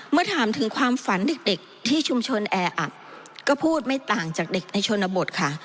เมื่อถามถึงความฝันเด็กที่ชุมชนแออัดก็พูดไม่ต่างจากเด็กในชนบทค่ะ